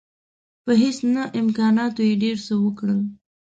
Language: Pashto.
په هیڅ نه امکاناتو یې ډېر څه وکړل.